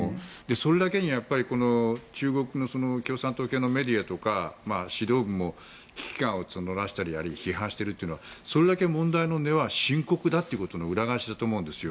それだけに中国共産党系のメディアとか指導部も危機感を募らせたり批判したりとかはそれだけ問題の根は深刻だということの裏返しだと思うんです。